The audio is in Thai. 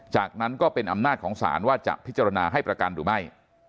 จากนั้นก็เป็นอำนาจของศาลว่าจะพิจารณาให้ประกันหรือไม่